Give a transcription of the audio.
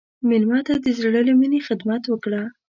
مېلمه ته د زړه له میني خدمت وکړه.